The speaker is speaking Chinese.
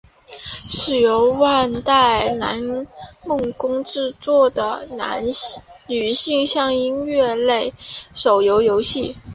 是由万代南梦宫制作的女性向音乐类手机游戏。